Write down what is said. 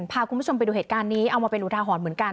พาคุณผู้ชมไปดูเหตุการณ์นี้เอามาเป็นอุทาหรณ์เหมือนกัน